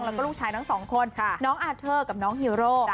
แล้วก็ลูกชายทั้งสองคนน้องอาเทอร์กับน้องฮีโร่